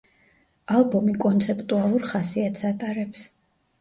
ალბომი კონცეპტუალურ ხასიათს ატარებს.